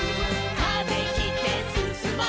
「風切ってすすもう」